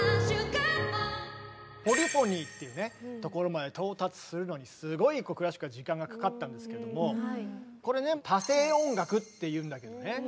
「ポリフォニー」っていうところまで到達するのにすごいクラシックは時間がかかったんですけどもこれね「多声音楽」っていうんだけどね